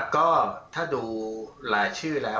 ก็ถ้าดูรายชื่อแล้ว